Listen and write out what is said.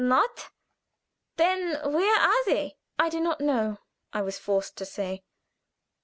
"Not? Then where are they?" "I do not know," I was forced to say.